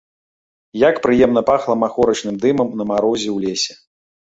Як прыемна пахла махорачным дымам на марозе ў лесе.